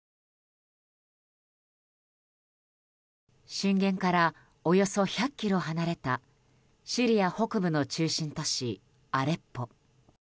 震源からおよそ１００ｋｍ離れたシリア北部の中心都市アレッポ。